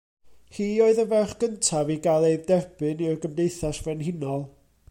Hi oedd y ferch gyntaf i gael ei derbyn i'r Gymdeithas Frenhinol.